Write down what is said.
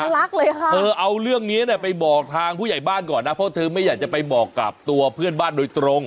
รักเลยค่ะเธอเอาเรื่องนี้ไปบอกทางผู้ใหญ่บ้านก่อนนะเพราะเธอไม่อยากจะไปบอกกับตัวเพื่อนบ้านโดยตรง